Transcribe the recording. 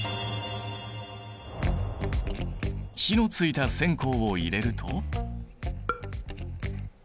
火のついた線香を入れると。